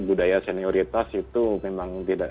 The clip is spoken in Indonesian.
budaya senioritas itu memang